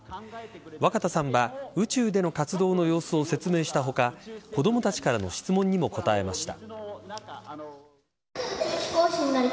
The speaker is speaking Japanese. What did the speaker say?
若田さんは宇宙での活動の様子を説明した他子供たちからの質問にも答えました。